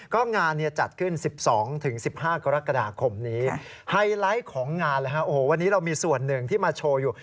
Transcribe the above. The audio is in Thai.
ก็งานจัดขึ้น๑๒๑๕กรกฎาคมนี้ไฮไลท์ของงานวันนี้เรามีส่วนหนึ่งที่มาโชว์อยู่